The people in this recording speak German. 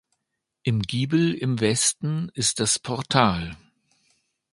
Im Giebel im Westen ist das Portal.